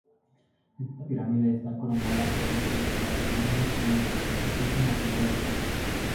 Esta pirámide está coronada por un pedestal con un espino, especie nativa del parque.